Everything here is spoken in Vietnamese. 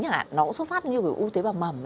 nó cũng xuất phát như u tế bào mầm